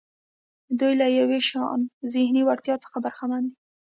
دوی له یو شان ذهني وړتیا څخه برخمن دي.